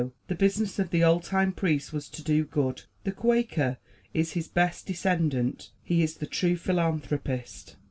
the business of the old time priest was to do good. The Quaker is his best descendant he is the true philanthropist.